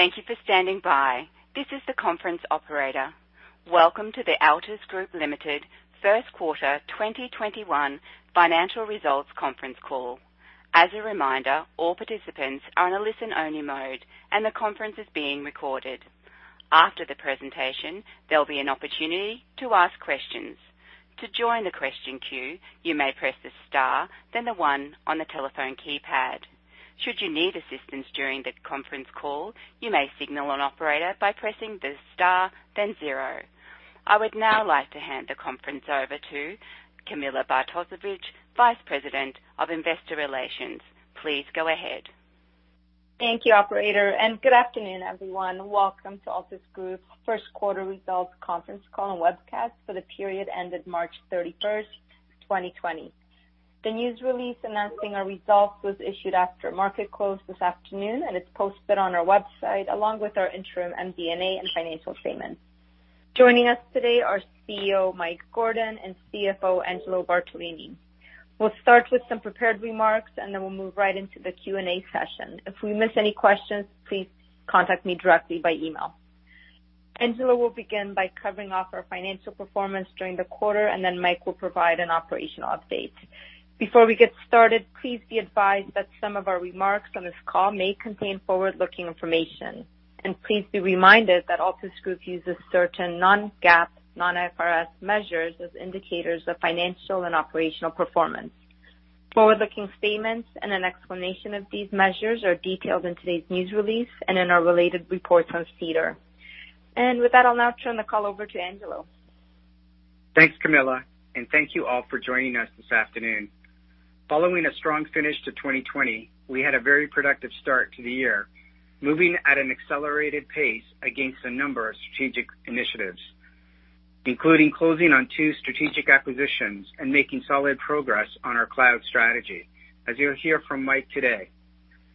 Thank you for standing by. This is the conference operator. Welcome to the Altus Group Limited First Quarter 2021 Financial Results conference call. As a reminder, all participants are on a listen-only mode, and the conference is being recorded. After the presentation, there will be an opportunity to ask questions. To join the question queue, you may press the star, then the one on the telephone keypad. Should you need assistance during the conference call, you may signal an operator by pressing the star, then zero. I would now like to hand the conference over to Camilla Bartosiewicz, Vice President of Investor Relations. Please go ahead. Thank you, operator. Good afternoon, everyone. Welcome to Altus Group First Quarter Results conference call and webcast for the period ended March 31, 2021. The news release announcing our results was issued after market close this afternoon. It is posted on our website along with our interim MD&A and financial statements. Joining us today are CEO Mike Gordon and CFO Angelo Bartolini. We will start with some prepared remarks. Then we will move right into the Q&A session. If we miss any questions, please contact me directly by email. Angelo will begin by covering off our financial performance during the quarter. Then Mike will provide an operational update. Before we get started, please be advised that some of our remarks on this call may contain forward-looking information. Please be reminded that Altus Group uses certain non-GAAP, non-IFRS measures as indicators of financial and operational performance. Forward-looking statements and an explanation of these measures are detailed in today's news release and in our related reports on SEDAR. With that, I'll now turn the call over to Angelo. Thanks, Camilla, and thank you all for joining us this afternoon. Following a strong finish to 2020, we had a very productive start to the year, moving at an accelerated pace against a number of strategic initiatives, including closing on two strategic acquisitions and making solid progress on our cloud strategy, as you'll hear from Mike today,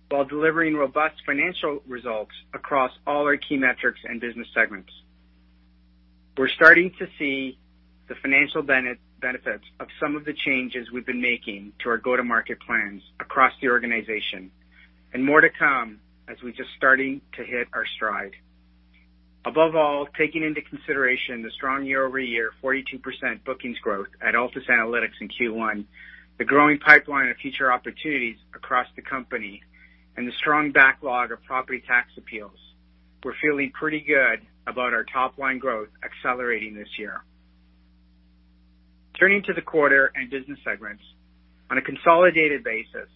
while delivering robust financial results across all our key metrics and business segments. We're starting to see the financial benefits of some of the changes we've been making to our go-to-market plans across the organization, and more to come as we're just starting to hit our stride. Above all, taking into consideration the strong year-over-year 42% bookings growth at Altus Analytics in Q1, the growing pipeline of future opportunities across the company, and the strong backlog of property tax appeals, we're feeling pretty good about our top-line growth accelerating this year. Turning to the quarter and business segments, on a consolidated basis,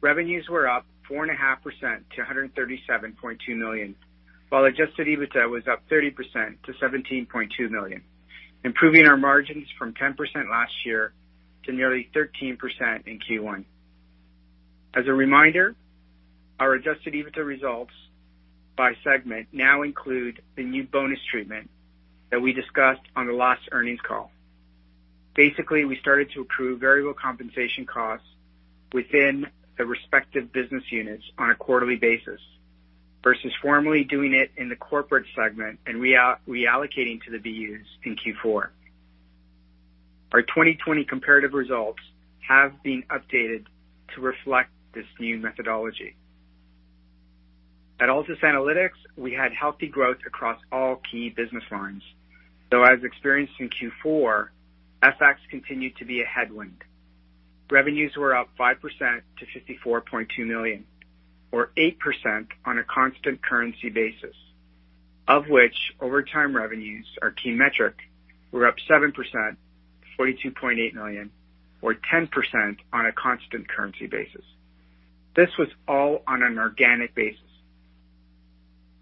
revenues were up 4.5% to 137.2 million, while adjusted EBITDA was up 30% to 17.2 million, improving our margins from 10% last year to nearly 13% in Q1. As a reminder, our adjusted EBITDA results by segment now include the new bonus treatment that we discussed on the last earnings call. We started to accrue variable compensation costs within the respective business units on a quarterly basis, versus formally doing it in the corporate segment and reallocating to the BUs in Q4. Our 2020 comparative results have been updated to reflect this new methodology. At Altus Analytics, we had healthy growth across all key business lines. As experienced in Q4, FX continued to be a headwind. Revenues were up 5% to 54.2 million, or 8% on a constant currency basis, of which Over Time revenues, our key metric, were up 7%, to 42.8 million, or 10% on a constant currency basis. This was all on an organic basis.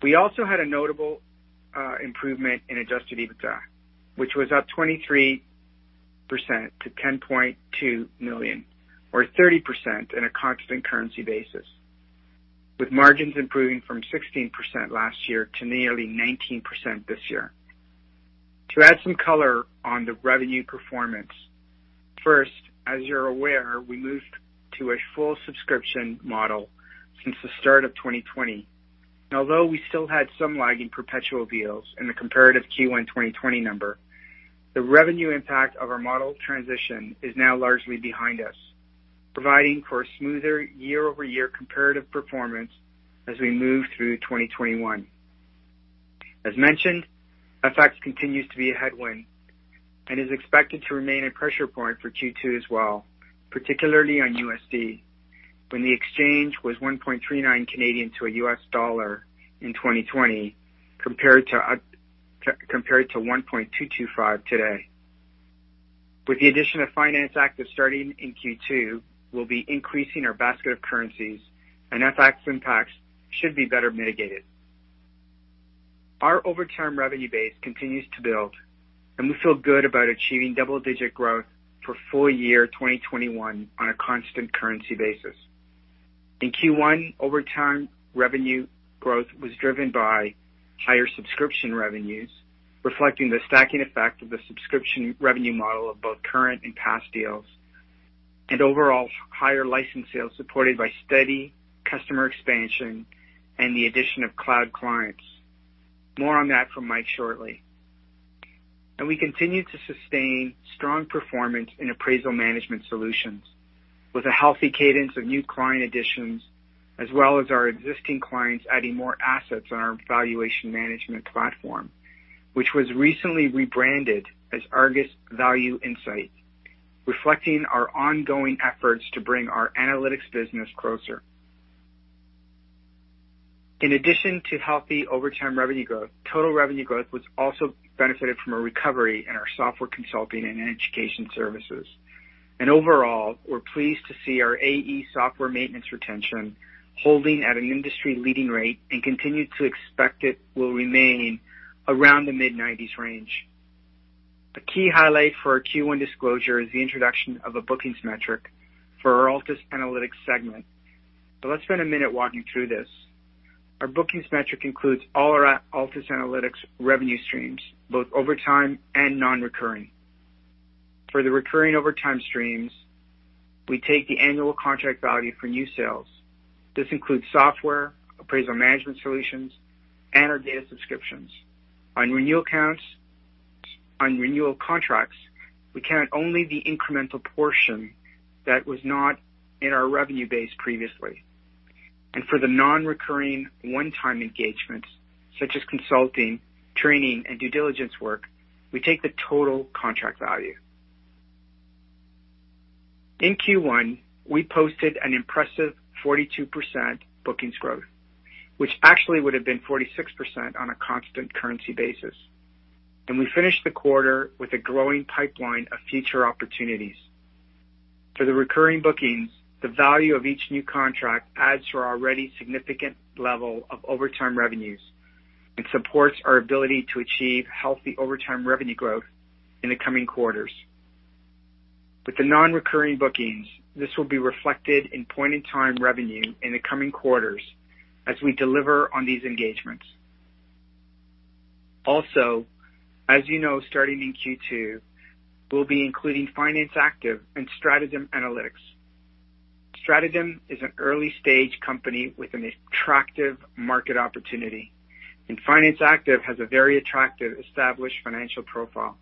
We also had a notable improvement in adjusted EBITDA, which was up 23% to 10.2 million, or 30% in a constant currency basis, with margins improving from 16% last year to nearly 19% this year. To add some color on the revenue performance, first, as you're aware, we moved to a full subscription model since the start of 2020. Although we still had some lagging perpetual deals in the comparative Q1 2020 number, the revenue impact of our model transition is now largely behind us, providing for a smoother year-over-year comparative performance as we move through 2021. As mentioned, FX continues to be a headwind and is expected to remain a pressure point for Q2 as well, particularly on USD. When the exchange was 1.39 to a US dollar in 2020 compared to 1.225 today. With the addition of Finance Active starting in Q2, we'll be increasing our basket of currencies and FX impacts should be better mitigated. Our Over Time revenue base continues to build, and we feel good about achieving double-digit growth for full year 2021 on a constant currency basis. In Q1, Over Time revenue growth was driven by higher subscription revenues, reflecting the stacking effect of the subscription revenue model of both current and past deals, and overall higher license sales supported by steady customer expansion and the addition of cloud clients. More on that from Mike shortly. We continue to sustain strong performance in Appraisal Management Solutions with a healthy cadence of new client additions, as well as our existing clients adding more assets on our valuation management platform, which was recently rebranded as ARGUS ValueInsight, reflecting our ongoing efforts to bring our analytics business closer. In addition to healthy overtime revenue growth, total revenue growth was also benefited from a recovery in our software consulting and education services. Overall, we are pleased to see our AE software maintenance retention holding at an industry-leading rate and continue to expect it will remain around the mid-90s range. A key highlight for our Q1 disclosure is the introduction of a bookings metric for our Altus Analytics segment. Let's spend a minute walking through this. Our bookings metric includes all our Altus Analytics revenue streams, both over time and non-recurring. For the recurring over time streams, we take the annual contract value for new sales. This includes software, Appraisal Management Solutions, and our data subscriptions. On renewal contracts, we count only the incremental portion that was not in our revenue base previously. For the non-recurring one-time engagements, such as consulting, training, and due diligence work, we take the total contract value. In Q1, we posted an impressive 42% bookings growth, which actually would have been 46% on a constant currency basis. We finished the quarter with a growing pipeline of future opportunities. For the recurring bookings, the value of each new contract adds to our already significant level of over time revenues and supports our ability to achieve healthy overtime revenue growth in the coming quarters. With the non-recurring bookings, this will be reflected in point-in-time revenue in the coming quarters as we deliver on these engagements. As you know, starting in Q2, we'll be including Finance Active and StratoDem Analytics. StratoDem is an early-stage company with an attractive market opportunity, and Finance Active has a very attractive established financial profile.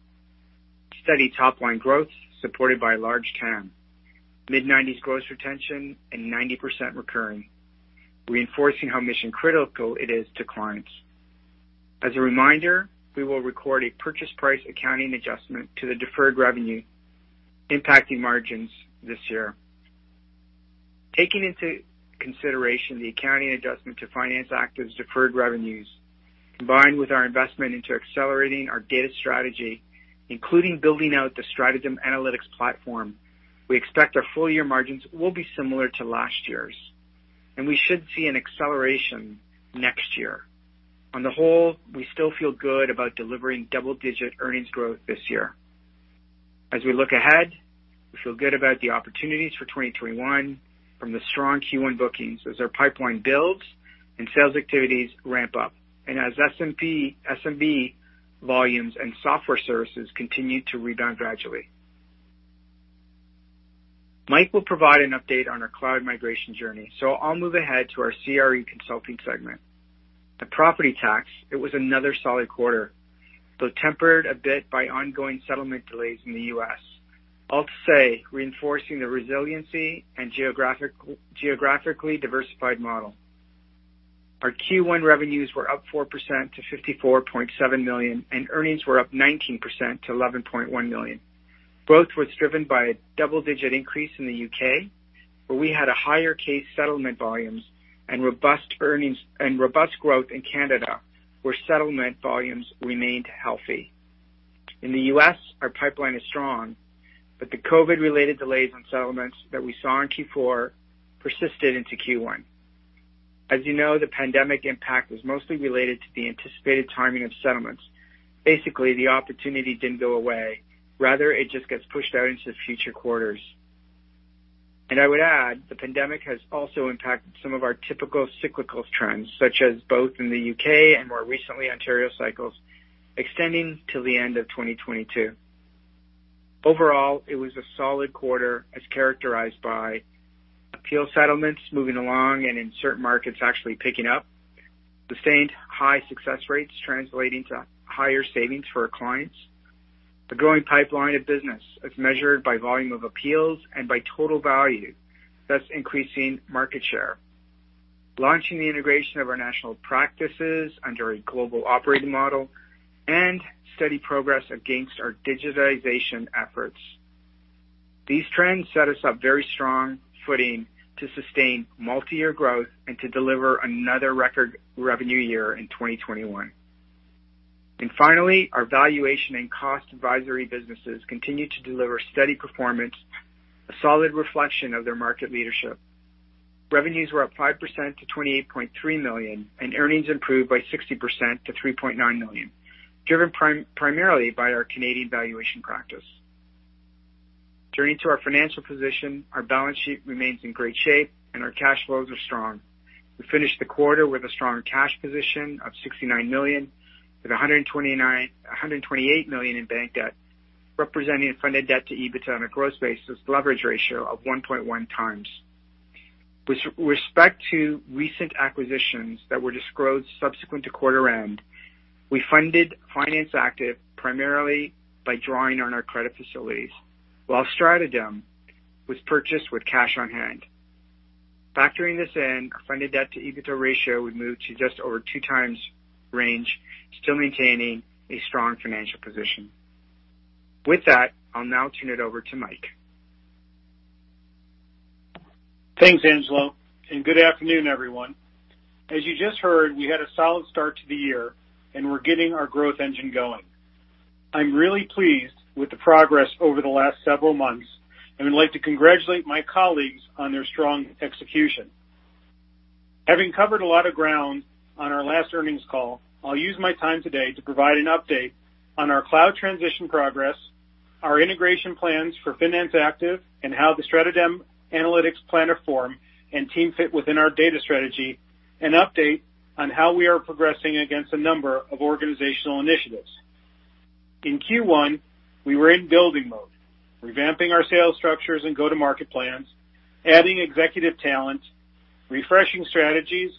Steady top-line growth supported by a large TAM, mid-90s growth retention, and 90% recurring, reinforcing how mission-critical it is to clients. As a reminder, we will record a purchase price accounting adjustment to the deferred revenue impacting margins this year. Taking into consideration the accounting adjustment to Finance Active's deferred revenues, combined with our investment into accelerating our data strategy, including building out the StratoDem Analytics platform, we expect our full-year margins will be similar to last year's, and we should see an acceleration next year. On the whole, we still feel good about delivering double-digit earnings growth this year. As we look ahead, we feel good about the opportunities for 2021 from the strong Q1 bookings as our pipeline builds and sales activities ramp up and as SMB volumes and software services continue to rebound gradually. Mike will provide an update on our cloud migration journey, so I'll move ahead to our CRE Consulting segment. At Property Tax, it was another solid quarter, though tempered a bit by ongoing settlement delays in the U.S. I'll say, reinforcing the resiliency and geographically diversified model. Our Q1 revenues were up 4% to 54.7 million, and earnings were up 19% to 11.1 million. Growth was driven by a double-digit increase in the U.K., where we had higher case settlement volumes and robust growth in Canada, where settlement volumes remained healthy. In the U.S., our pipeline is strong, the COVID-related delays on settlements that we saw in Q4 persisted into Q1. As you know, the pandemic impact was mostly related to the anticipated timing of settlements. Basically, the opportunity didn't go away. Rather, it just gets pushed out into future quarters. I would add, the pandemic has also impacted some of our typical cyclical trends, such as both in the U.K. and more recently, Ontario cycles extending till the end of 2022. Overall, it was a solid quarter as characterized by appeal settlements moving along and in certain markets actually picking up, sustained high success rates translating to higher savings for our clients, the growing pipeline of business as measured by volume of appeals and by total value, thus increasing market share, launching the integration of our national practices under a global operating model, and steady progress against our digitization efforts. These trends set us up very strong footing to sustain multi-year growth and to deliver another record revenue year in 2021. Finally, our Valuation and Cost Advisory businesses continue to deliver steady performance, a solid reflection of their market leadership. Revenues were up 5% to 28.3 million, and earnings improved by 60% to 3.9 million, driven primarily by our Canadian valuation practice. Turning to our financial position, our balance sheet remains in great shape, and our cash flows are strong. We finished the quarter with a strong cash position of 69 million, with 128 million in bank debt, representing a funded debt to EBITDA on a gross basis leverage ratio of 1.1x. With respect to recent acquisitions that were disclosed subsequent to quarter end, we funded Finance Active primarily by drawing on our credit facilities, while StratoDem was purchased with cash on hand. Factoring this in, our funded debt-to-EBITDA ratio would move to just over 2x range, still maintaining a strong financial position. With that, I'll now turn it over to Mike. Thanks, Angelo. Good afternoon, everyone. As you just heard, we had a solid start to the year. We're getting our growth engine going. I'm really pleased with the progress over the last several months. Would like to congratulate my colleagues on their strong execution. Having covered a lot of ground on our last earnings call, I'll use my time today to provide an update on our cloud transition progress, our integration plans for Finance Active, how the StratoDem Analytics platform and team fit within our data strategy, update on how we are progressing against a number of organizational initiatives. In Q1, we were in building mode, revamping our sales structures and go-to-market plans, adding executive talent, refreshing strategies,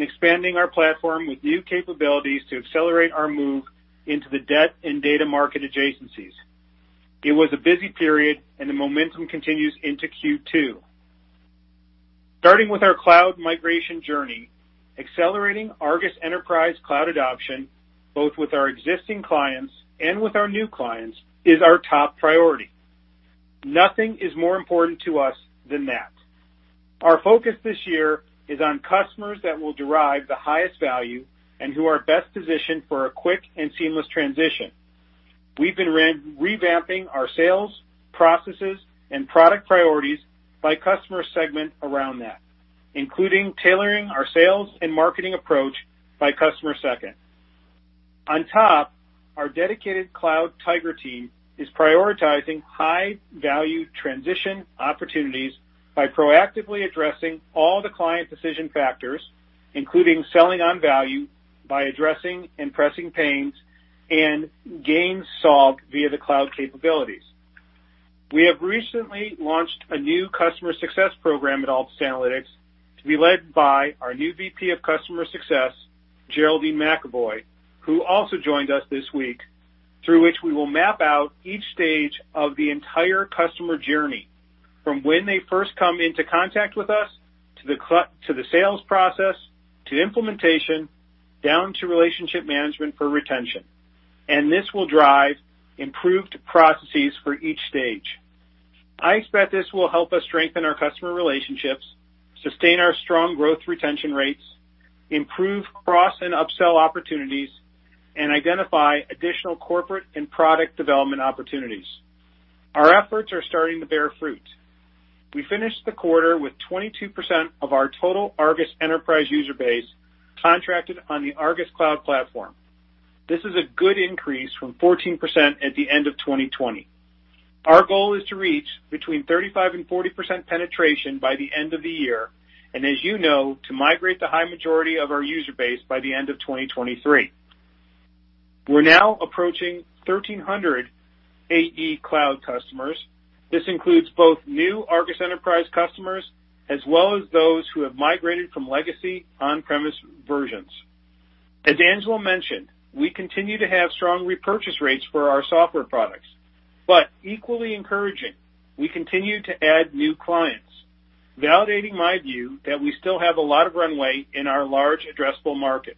expanding our platform with new capabilities to accelerate our move into the debt and data market adjacencies. It was a busy period, and the momentum continues into Q2. Starting with our cloud migration journey, accelerating ARGUS Enterprise cloud adoption, both with our existing clients and with our new clients, is our top priority. Nothing is more important to us than that. Our focus this year is on customers that will derive the highest value and who are best positioned for a quick and seamless transition. We've been revamping our sales, processes, and product priorities by customer segment around that, including tailoring our sales and marketing approach by customer segment. On top, our dedicated Cloud Tiger Team is prioritizing high-value transition opportunities by proactively addressing all the client decision factors, including selling on value by addressing and pressing pains and gains solved via the cloud capabilities. We have recently launched a new customer success program at Altus Analytics to be led by our new VP of Customer Success, Geraldine McAvoy, who also joined us this week, through which we will map out each stage of the entire customer journey from when they first come into contact with us, to the sales process, to implementation, down to relationship management for retention. This will drive improved processes for each stage. I expect this will help us strengthen our customer relationships, sustain our strong growth retention rates, improve cross and upsell opportunities, and identify additional corporate and product development opportunities. Our efforts are starting to bear fruit. We finished the quarter with 22% of our total ARGUS Enterprise user base contracted on the ARGUS Cloud platform. This is a good increase from 14% at the end of 2020. Our goal is to reach between 35% and 40% penetration by the end of the year, and as you know, to migrate the high majority of our user base by the end of 2023. We are now approaching 1,300 AE Cloud customers. This includes both new ARGUS Enterprise customers, as well as those who have migrated from legacy on-premise versions. As Angelo mentioned, we continue to have strong repurchase rates for our software products. Equally encouraging, we continue to add new clients, validating my view that we still have a lot of runway in our large addressable market.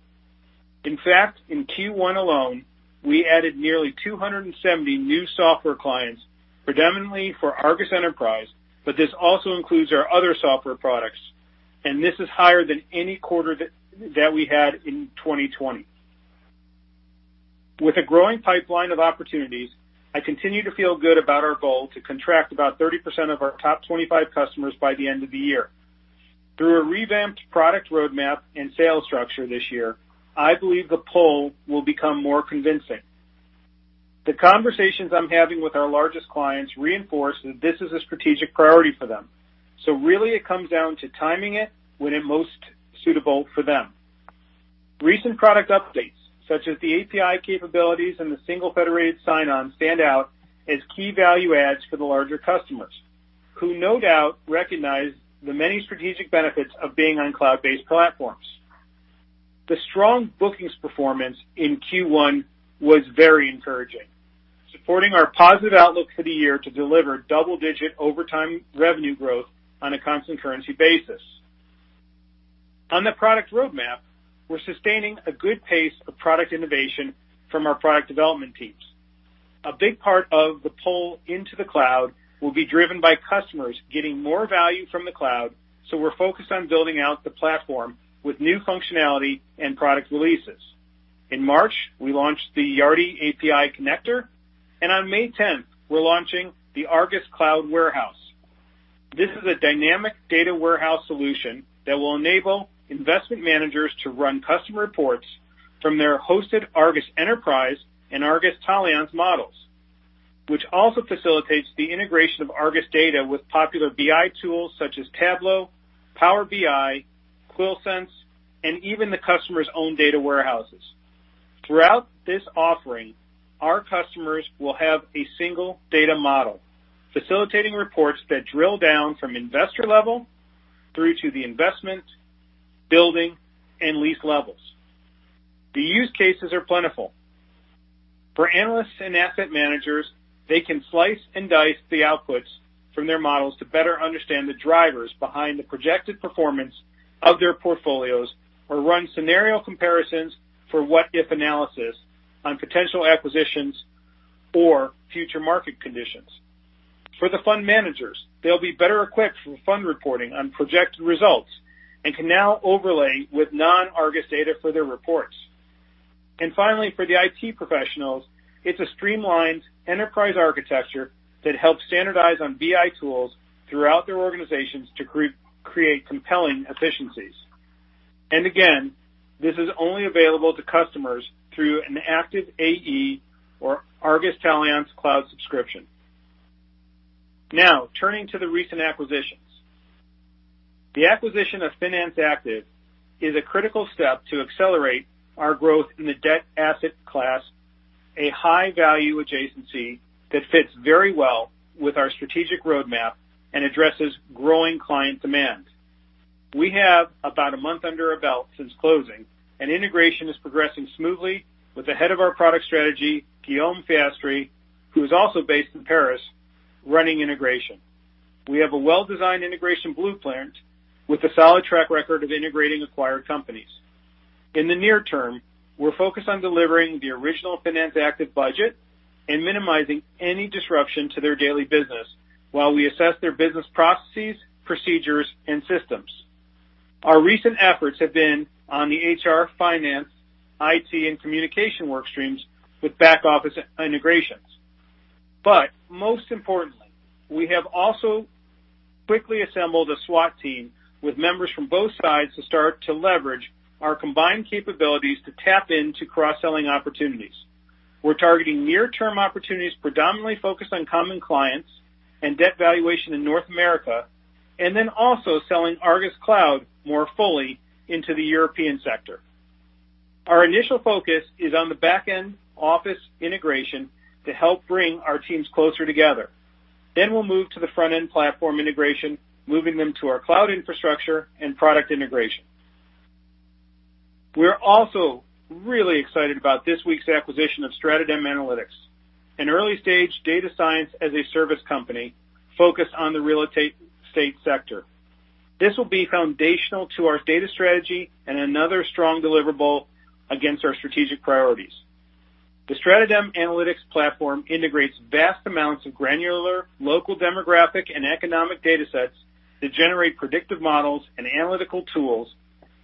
In fact, in Q1 alone, we added nearly 270 new software clients, predominantly for ARGUS Enterprise, but this also includes our other software products, and this is higher than any quarter that we had in 2020. With a growing pipeline of opportunities, I continue to feel good about our goal to contract about 30% of our top 25 customers by the end of the year. Through a revamped product roadmap and sales structure this year, I believe the pull will become more convincing. The conversations I'm having with our largest clients reinforce that this is a strategic priority for them. Really it comes down to timing it when it's most suitable for them. Recent product updates, such as the API capabilities and the single federated sign-on stand out as key value adds for the larger customers, who no doubt recognize the many strategic benefits of being on cloud-based platforms. The strong bookings performance in Q1 was very encouraging, supporting our positive outlook for the year to deliver double-digit overtime revenue growth on a constant currency basis. On the product roadmap, we're sustaining a good pace of product innovation from our product development teams. A big part of the pull into the cloud will be driven by customers getting more value from the cloud, so we're focused on building out the platform with new functionality and product releases. In March, we launched the Yardi API connector, and on May 10th, we're launching the ARGUS Cloud Warehouse. This is a dynamic data warehouse solution that will enable investment managers to run customer reports from their hosted ARGUS Enterprise and ARGUS Taliance models, which also facilitates the integration of ARGUS data with popular BI tools such as Tableau, Power BI, Qlik Sense, and even the customer's own data warehouses. Throughout this offering, our customers will have a single data model, facilitating reports that drill down from investor level through to the investment, building, and lease levels. The use cases are plentiful. For analysts and asset managers, they can slice and dice the outputs from their models to better understand the drivers behind the projected performance of their portfolios, or run scenario comparisons for what-if analysis on potential acquisitions or future market conditions. For the fund managers, they'll be better equipped for fund reporting on projected results and can now overlay with non-ARGUS data for their reports. Finally, for the IT professionals, it's a streamlined enterprise architecture that helps standardize on BI tools throughout their organizations to create compelling efficiencies. Again, this is only available to customers through an active AE or ARGUS Taliance Cloud subscription. Now, turning to the recent acquisitions. The acquisition of Finance Active is a critical step to accelerate our growth in the debt asset class, a high-value adjacency that fits very well with our strategic roadmap and addresses growing client demand. We have about a month under our belt since closing, and integration is progressing smoothly with the Head of our Product Strategy, Guillaume Fiastre, who is also based in Paris, running integration. We have a well-designed integration blueprint with a solid track record of integrating acquired companies. In the near term, we're focused on delivering the original Finance Active budget and minimizing any disruption to their daily business while we assess their business processes, procedures, and systems. Our recent efforts have been on the HR, Finance, IT, and Communication work streams with back-office integrations. Most importantly, we have also quickly assembled a SWAT team with members from both sides to start to leverage our combined capabilities to tap into cross-selling opportunities. We're targeting near-term opportunities predominantly focused on common clients and debt valuation in North America, and then also selling ARGUS Cloud more fully into the European sector. Our initial focus is on the back end office integration to help bring our teams closer together. We'll move to the front end platform integration, moving them to our cloud infrastructure and product integration. We're also really excited about this week's acquisition of StratoDem Analytics, an early-stage data science-as-a-service company focused on the real estate sector. This will be foundational to our data strategy and another strong deliverable against our strategic priorities. The StratoDem Analytics platform integrates vast amounts of granular local demographic and economic datasets to generate predictive models and analytical tools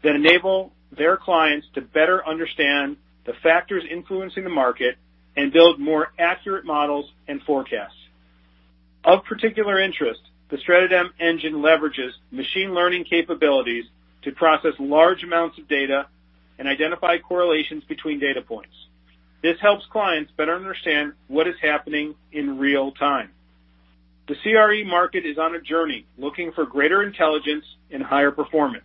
that enable their clients to better understand the factors influencing the market and build more accurate models and forecasts. Of particular interest, the StratoDem engine leverages machine learning capabilities to process large amounts of data and identify correlations between data points. This helps clients better understand what is happening in real time. The CRE market is on a journey looking for greater intelligence and higher performance.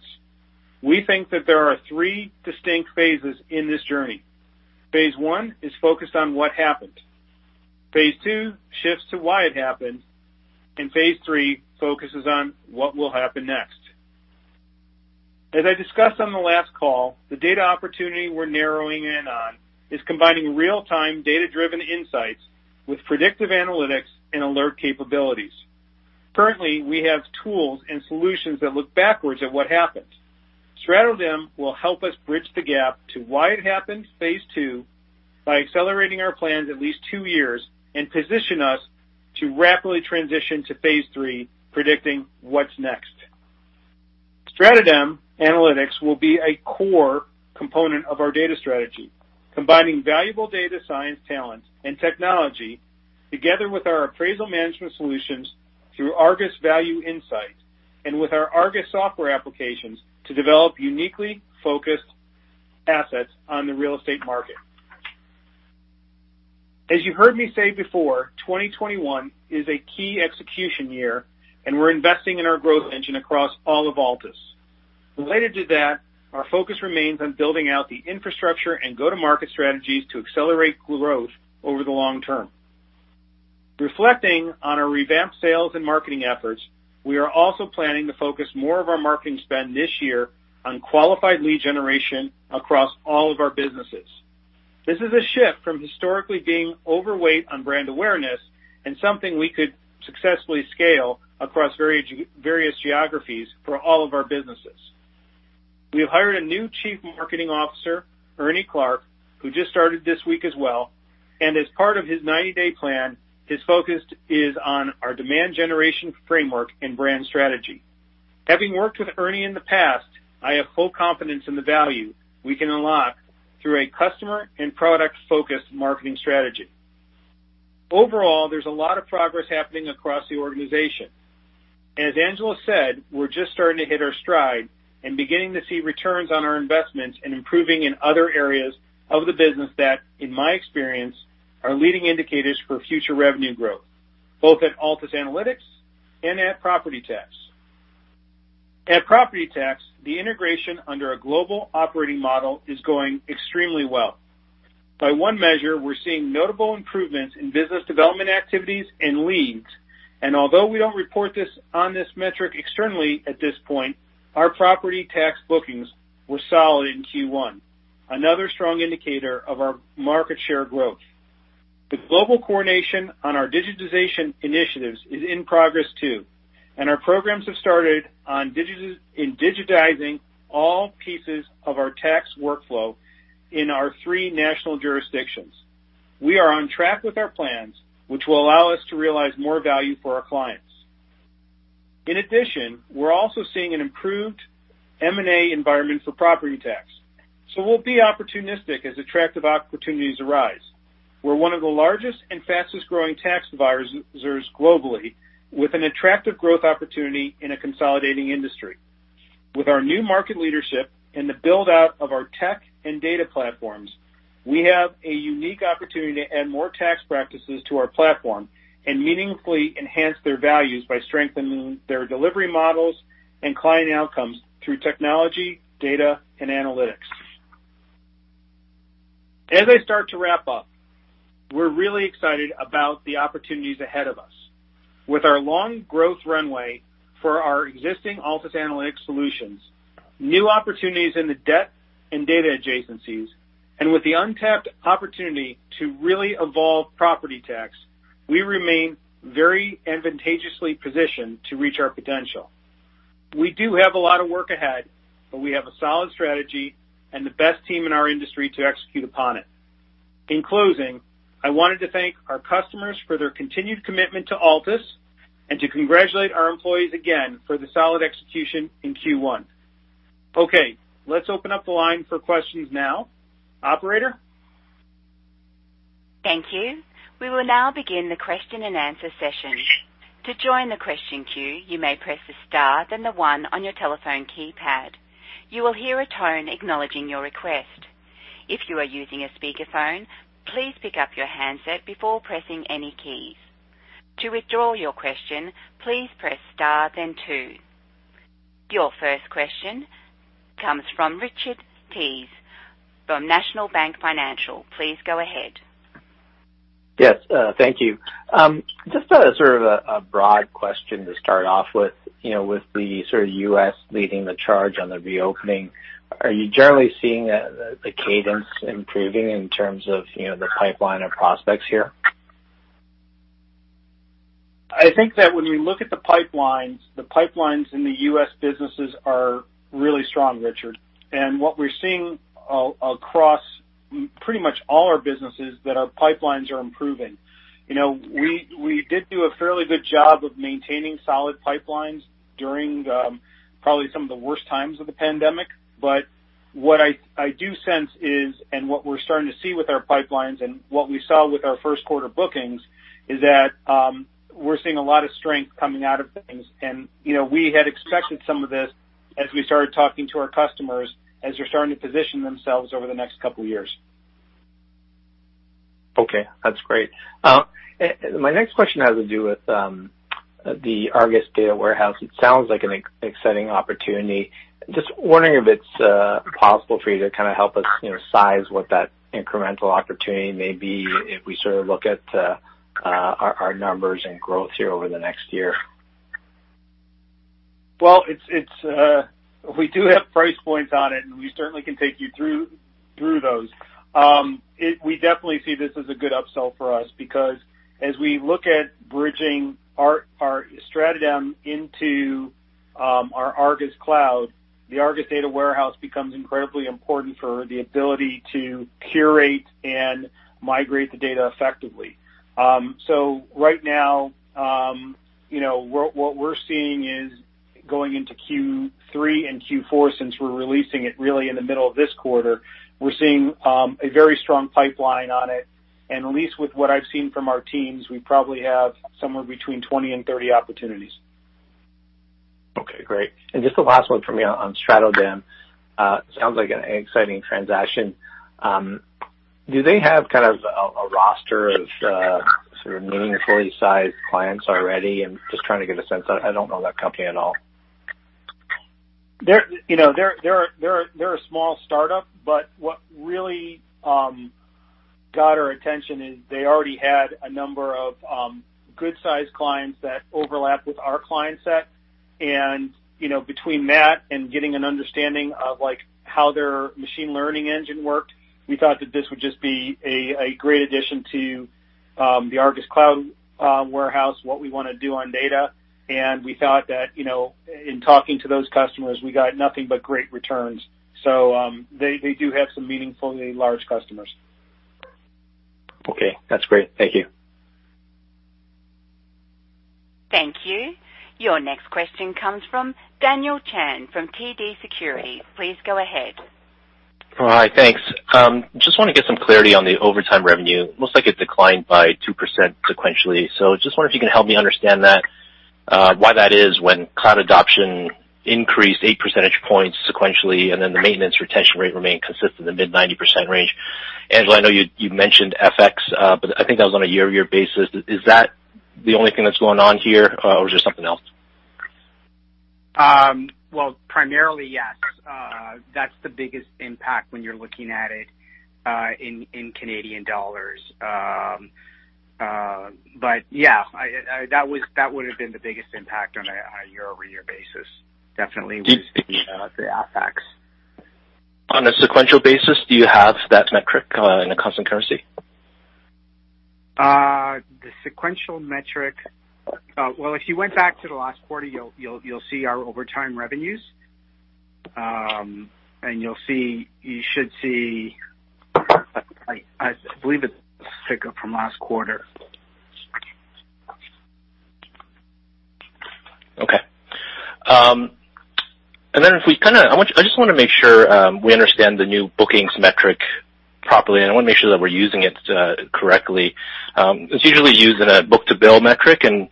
We think that there are three distinct phases in this journey. Phase one is focused on what happened. Phase two shifts to why it happened, and phase three focuses on what will happen next. As I discussed on the last call, the data opportunity we're narrowing in on is combining real-time data-driven insights with predictive analytics and alert capabilities. Currently, we have tools and solutions that look backwards at what happened. StratoDem will help us bridge the gap to why it happened, phase two, by accelerating our plans at least two years and position us to rapidly transition to phase three, predicting what's next. StratoDem Analytics will be a core component of our data strategy, combining valuable data science talent and technology together with our appraisal management solutions through ARGUS ValueInsight and with our ARGUS software applications to develop uniquely focused assets on the real estate market. As you heard me say before, 2021 is a key execution year, and we're investing in our growth engine across all of Altus. Related to that, our focus remains on building out the infrastructure and go-to-market strategies to accelerate growth over the long term. Reflecting on our revamped sales and marketing efforts, we are also planning to focus more of our marketing spend this year on qualified lead generation across all of our businesses. This is a shift from historically being overweight on brand awareness and something we could successfully scale across various geographies for all of our businesses. We have hired a new Chief Marketing Officer, Ernie Clark, who just started this week as well. As part of his 90-day plan, his focus is on our demand generation framework and brand strategy. Having worked with Ernie in the past, I have full confidence in the value we can unlock through a customer and product-focused marketing strategy. Overall, there's a lot of progress happening across the organization. As Angelo said, we're just starting to hit our stride and beginning to see returns on our investments and improving in other areas of the business that, in my experience, are leading indicators for future revenue growth, both at Altus Analytics and at Property Tax. At Property Tax, the integration under a global operating model is going extremely well. By one measure, we're seeing notable improvements in business development activities and leads. Although we don't report this on this metric externally at this point, our Property Tax bookings were solid in Q1, another strong indicator of our market share growth. The global coordination on our digitization initiatives is in progress too, and our programs have started in digitizing all pieces of our tax workflow in our three national jurisdictions. We are on track with our plans, which will allow us to realize more value for our clients. In addition, we're also seeing an improved M&A environment for Property Tax, so we'll be opportunistic as attractive opportunities arise. We're one of the largest and fastest-growing tax advisors globally, with an attractive growth opportunity in a consolidating industry. With our new market leadership and the build-out of our tech and data platforms, we have a unique opportunity to add more tax practices to our platform and meaningfully enhance their values by strengthening their delivery models and client outcomes through technology, data, and analytics. As I start to wrap up, we're really excited about the opportunities ahead of us. With our long growth runway for our existing Altus Analytics solutions, new opportunities in the debt and data adjacencies, and with the untapped opportunity to really evolve Property Tax, we remain very advantageously positioned to reach our potential. We do have a lot of work ahead. We have a solid strategy and the best team in our industry to execute upon it. In closing, I wanted to thank our customers for their continued commitment to Altus and to congratulate our employees again for the solid execution in Q1. Okay, let's open up the line for questions now. Operator? Thank you. We will now begin the question-and-answer session. Your first question comes from Richard Tse from National Bank Financial. Please go ahead. Yes, thank you. Just sort of a broad question to start off with the sort of U.S. leading the charge on the reopening. Are you generally seeing the cadence improving in terms of the pipeline of prospects here? I think that when we look at the pipelines, the pipelines in the U.S. businesses are really strong, Richard. What we're seeing across pretty much all our businesses, that our pipelines are improving. We did do a fairly good job of maintaining solid pipelines during probably some of the worst times of the pandemic. What I do sense is, and what we're starting to see with our pipelines and what we saw with our first quarter bookings, is that we're seeing a lot of strength coming out of things. We had expected some of this as we started talking to our customers as they're starting to position themselves over the next couple of years. Okay, that's great. My next question has to do with the ARGUS Cloud Warehouse. It sounds like an exciting opportunity. Just wondering if it's possible for you to kind of help us size what that incremental opportunity may be if we sort of look at our numbers and growth here over the next year. We do have price points on it, and we certainly can take you through those. We definitely see this as a good upsell for us because as we look at bridging our StratoDem into our ARGUS Cloud, the ARGUS Cloud Warehouse becomes incredibly important for the ability to curate and migrate the data effectively. Right now, what we're seeing is going into Q3 and Q4, since we're releasing it really in the middle of this quarter, we're seeing a very strong pipeline on it. At least with what I've seen from our teams, we probably have somewhere between 20 and 30 opportunities. Okay, great. Just the last one for me on StratoDem. Sounds like an exciting transaction. Do they have kind of a roster of sort of meaningfully sized clients already? I'm just trying to get a sense of I don't know that company at all. They're a small startup, but what really got our attention is they already had a number of good-sized clients that overlapped with our client set. Between that and getting an understanding of how their machine learning engine worked, we thought that this would just be a great addition to the ARGUS Cloud Warehouse, what we want to do on data, and we thought that in talking to those customers, we got nothing but great returns. They do have some meaningfully large customers. Okay, that's great. Thank you. Thank you. Your next question comes from Daniel Chan from TD Securities. Please go ahead. All right, thanks. Just want to get some clarity on the Over Time revenue. Looks like it declined by 2% sequentially. Just wonder if you can help me understand that, why that is when cloud adoption increased eight percentage points sequentially, and then the maintenance retention rate remained consistent in mid-90% range. Angelo, I know you mentioned FX, but I think that was on a year-over-year basis. Is that the only thing that's going on here or is there something else? Primarily, yes. That's the biggest impact when you're looking at it in Canadian dollars. Yeah, that would've been the biggest impact on a year-over-year basis. Definitely was the FX. On a sequential basis, do you have that metric in a constant currency? The sequential metric. Well, if you went back to the last quarter, you'll see our overtime revenues. You should see, I believe it's tick up from last quarter. Okay. I just want to make sure we understand the new bookings metric properly, and I want to make sure that we're using it correctly. It's usually used in a book-to-bill metric, and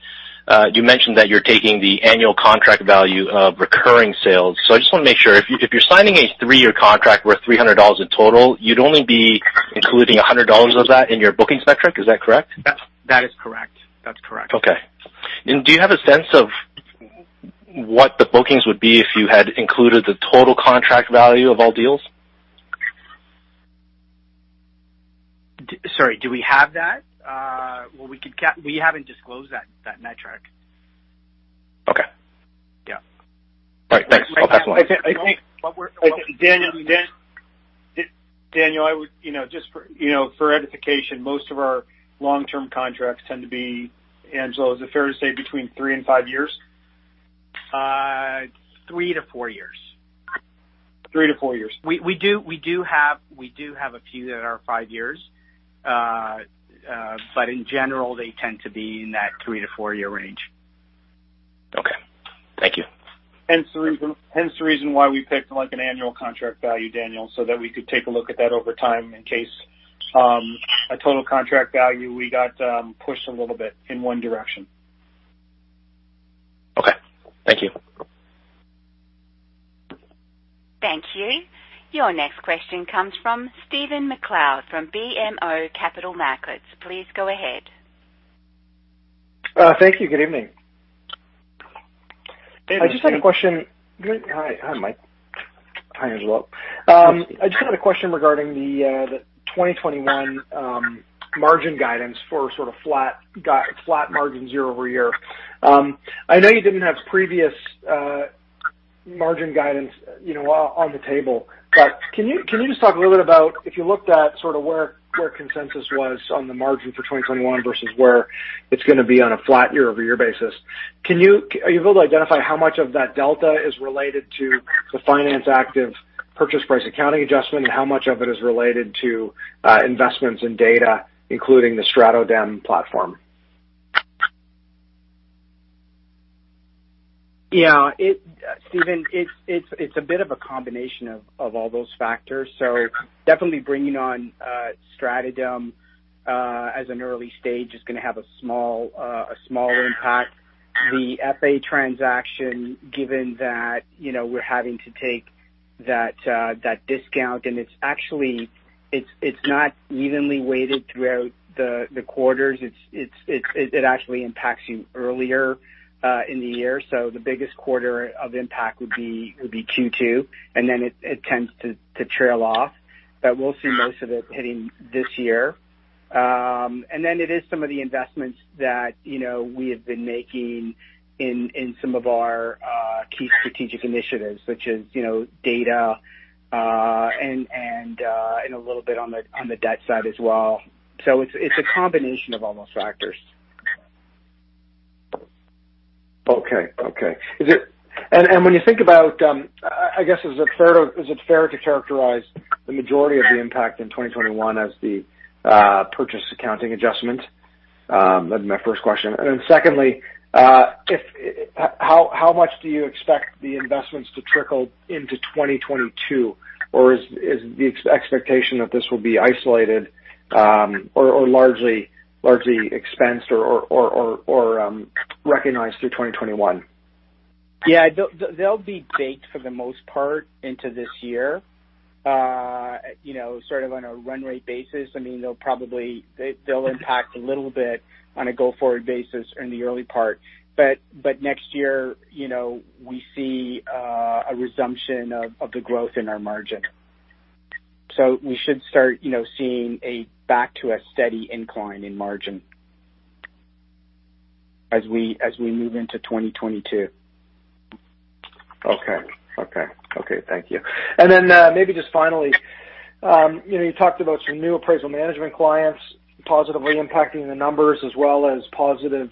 you mentioned that you're taking the annual contract value of recurring sales. I just want to make sure if you're signing a three-year contract worth 300 dollars in total, you'd only be including 100 dollars of that in your bookings metric. Is that correct? That is correct. Okay. Do you have a sense of what the bookings would be if you had included the total contract value of all deals? Sorry, do we have that? We haven't disclosed that metric. Okay. Yeah. All right. Thanks. I'll pass along. Daniel, just for edification, most of our long-term contracts tend to be, Angelo, is it fair to say between three and five years? Three to four years. Three to four years. We do have a few that are five years. In general, they tend to be in that three- to four-year range. Okay. Thank you. Hence the reason why we picked an annual contract value, Daniel, so that we could take a look at that over time in case a total contract value, we got pushed a little bit in one direction. Okay. Thank you. Thank you. Your next question comes from Stephen MacLeod from BMO Capital Markets. Please go ahead. Thank you. Good evening. Hey, Stephen. Hi, Mike. Hi, Angelo. I just had a question regarding the 2021 margin guidance for sort of flat margin year-over-year. I know you didn't have previous margin guidance on the table, but can you just talk a little bit about, if you looked at sort of where consensus was on the margin for 2021 versus where it's going to be on a flat year-over-year basis. Are you able to identify how much of that delta is related to the Finance Active purchase price accounting adjustment, and how much of it is related to investments in data, including the StratoDem platform? Stephen, it's a bit of a combination of all those factors. Definitely bringing on StratoDem, as an early stage, is going to have a small impact. The FA transaction, given that we're having to take that discount, and it's not evenly weighted throughout the quarters. It actually impacts you earlier in the year. The biggest quarter of impact would be Q2, and then it tends to trail off. We'll see most of it hitting this year. It is some of the investments that we have been making in some of our key strategic initiatives, such as data, and a little bit on the debt side as well. It's a combination of all those factors. Okay. When you think about, I guess, is it fair to characterize the majority of the impact in 2021 as the purchase accounting adjustment? That'd be my first question. Secondly, how much do you expect the investments to trickle into 2022? Is the expectation that this will be isolated, or largely expensed, or recognized through 2021? Yeah. They'll be baked for the most part into this year, sort of on a run rate basis. They'll impact a little bit on a go-forward basis in the early part. Next year, we see a resumption of the growth in our margin. We should start seeing back to a steady incline in margin as we move into 2022. Okay. Thank you. Maybe just finally, you talked about some new appraisal management clients positively impacting the numbers as well as positive,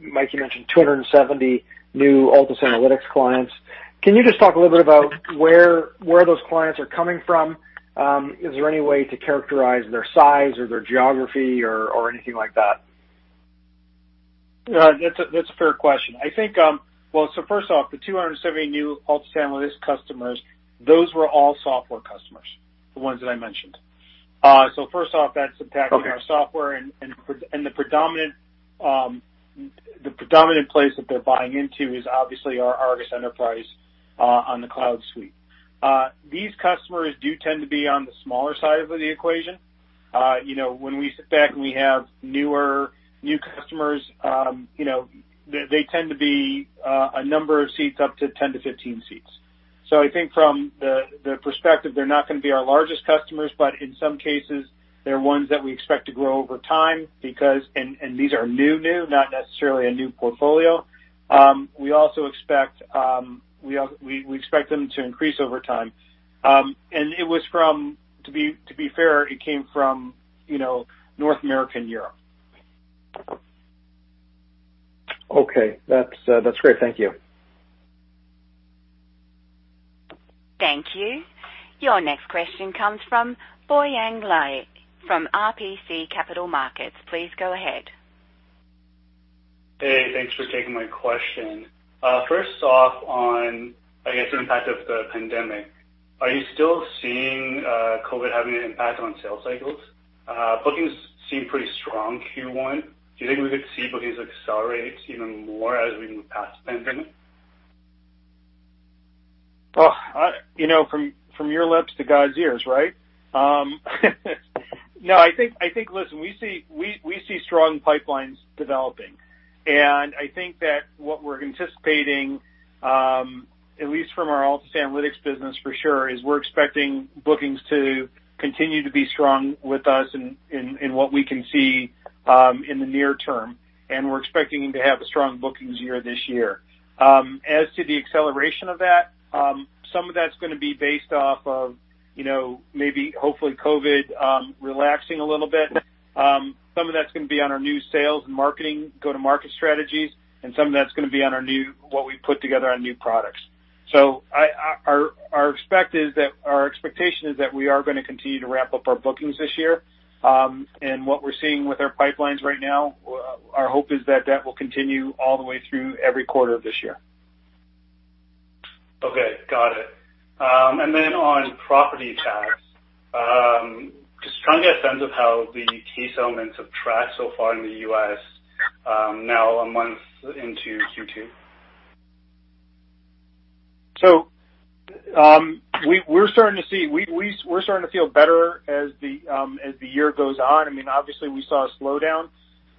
Mike, you mentioned 270 new Altus Analytics clients. Can you just talk a little bit about where those clients are coming from? Is there any way to characterize their size, or their geography, or anything like that? That's a fair question. Well, first off, the 270 new Altus Analytics customers, those were all software customers, the ones that I mentioned. first off, that's impacting- Okay ...our software, the predominant place that they're buying into is obviously our ARGUS Enterprise on the cloud suite. These customers do tend to be on the smaller side of the equation. When we sit back and we have new customers, they tend to be a number of seats up to 10 to 15 seats. I think from the perspective, they're not going to be our largest customers, but in some cases, they're ones that we expect to grow over time because these are new, not necessarily a new portfolio. We expect them to increase over time. To be fair, it came from North America and Europe. Okay. That's great. Thank you. Thank you. Your next question comes from Boyang Li from RBC Capital Markets. Please go ahead. Hey, thanks for taking my question. First off on, I guess, the impact of the pandemic, are you still seeing COVID having an impact on sales cycles? Bookings seem pretty strong Q1. Do you think we could see bookings accelerate even more as we move past the pandemic? From your lips to God's ears, right? We see strong pipelines developing. I think that what we're anticipating, at least from our Altus Analytics business for sure, is we're expecting bookings to continue to be strong with us in what we can see in the near term. We're expecting to have a strong bookings year this year. As to the acceleration of that, some of that's going to be based off of maybe, hopefully, COVID relaxing a little bit. Some of that's going to be on our new sales and marketing go-to-market strategies. Some of that's going to be on what we put together on new products. Our expectation is that we are going to continue to ramp up our bookings this year. What we're seeing with our pipelines right now, our hope is that that will continue all the way through every quarter of this year. Okay. Got it. On Property Tax, just trying to get a sense of how the key settlements have tracked so far in the U.S. now a month into Q2. We're starting to feel better as the year goes on. Obviously, we saw a slowdown.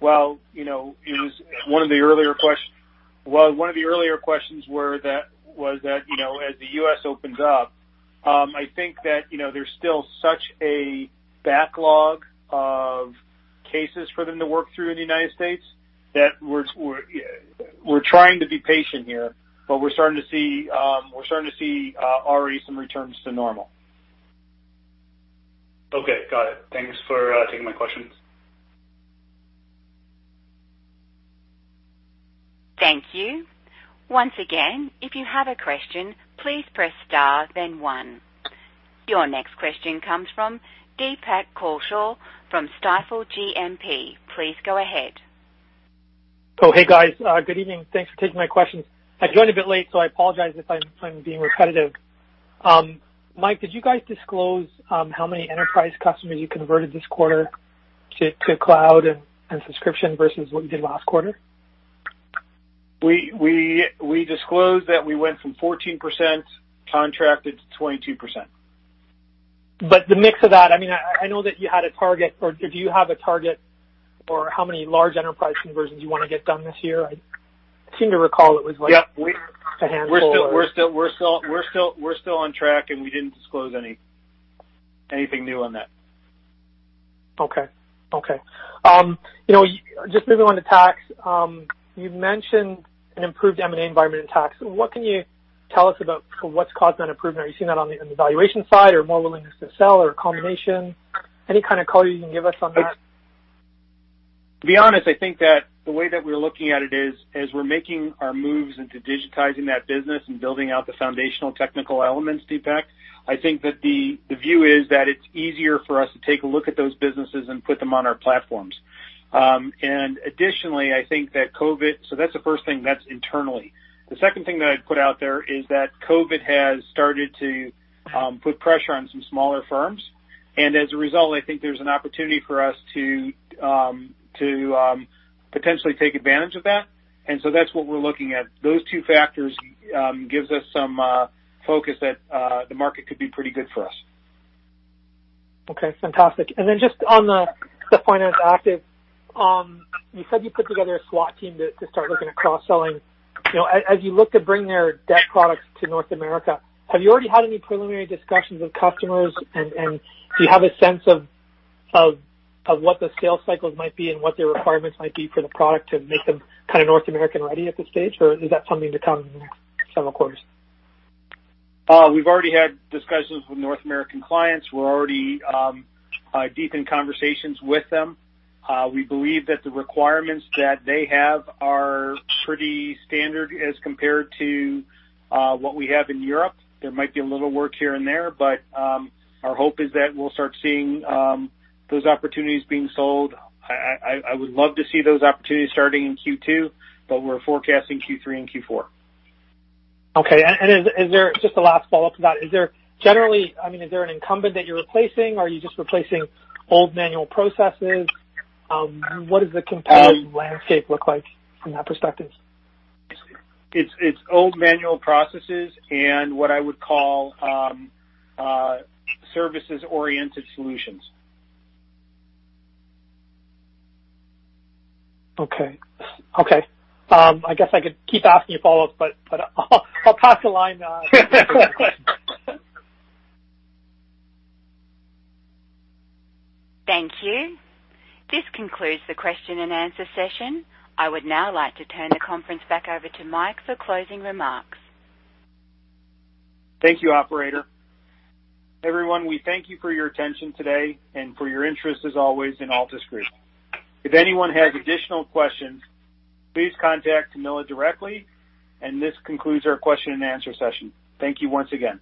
Well, one of the earlier questions was that, as the U.S. opens up, I think that there's still such a backlog of cases for them to work through in the United States that we're trying to be patient here, but we're starting to see already some returns to normal. Okay. Got it. Thanks for taking my questions. Thank you. Once again, if you have a question, please press star then one. Your next question comes from Deepak Kaushal from Stifel GMP. Please go ahead. Hey, guys. Good evening. Thanks for taking my questions. I joined a bit late. I apologize if I'm being repetitive. Mike, did you guys disclose how many enterprise customers you converted this quarter to cloud and subscription versus what you did last quarter? We disclosed that we went from 14% contracted to 22%. The mix of that, I know that you had a target. Or do you have a target for how many large enterprise conversions you want to get done this year? I seem to recall it was. Yeah. A handful. We're still on track, and we didn't disclose anything new on that. Okay. Just moving on to tax. You mentioned an improved M&A environment in tax. What can you tell us about what's caused that improvement? Are you seeing that on the valuation side or more willingness to sell or a combination? Any kind of color you can give us on that? To be honest, I think that the way that we're looking at it is, as we're making our moves into digitizing that business and building out the foundational technical elements, Deepak, I think that the view is that it's easier for us to take a look at those businesses and put them on our platforms. Additionally, I think that's the first thing. That's internally. The second thing that I'd put out there is that COVID has started to put pressure on some smaller firms. As a result, I think there's an opportunity for us to potentially take advantage of that. That's what we're looking at. Those two factors gives us some focus that the market could be pretty good for us. Okay. Fantastic. Just on the point around Active, you said you put together a SWAT team to start looking at cross-selling. As you look to bring their debt products to North America, have you already had any preliminary discussions with customers? Do you have a sense of what the sales cycles might be and what their requirements might be for the product to make them kind of North American-ready at this stage? Or is that something to come in several quarters? We've already had discussions with North American clients. We're already deep in conversations with them. We believe that the requirements that they have are pretty standard as compared to what we have in Europe. There might be a little work here and there, but our hope is that we'll start seeing those opportunities being sold. I would love to see those opportunities starting in Q2, but we're forecasting Q3 and Q4. Okay. Just a last follow-up to that. Is there an incumbent that you're replacing, or are you just replacing old manual processes? What does the competitive landscape look like from that perspective? It's old manual processes and what I would call services-oriented solutions. Okay. I guess I could keep asking you follow-ups, but I'll toss the line now. Thank you. This concludes the question-and-answer session. I would now like to turn the conference back over to Mike for closing remarks. Thank you, operator. Everyone, we thank you for your attention today and for your interest as always in Altus Group. If anyone has additional questions, please contact Camilla directly. This concludes our question-and-answer session. Thank you once again.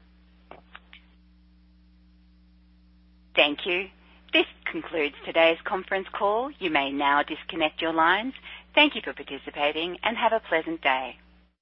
Thank you. This concludes today's conference call. You may now disconnect your lines. Thank you for participating and have a pleasant day.